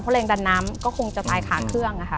เพราะแรงดันน้ำก็คงจะตายขาเครื่อง